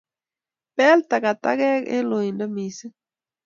Bel takatakek eng' loindo mising